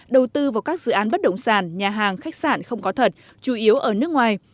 đầu tư vào các dự án bất động sản nhà hàng khách sạn không có thật chủ yếu ở nước ngoài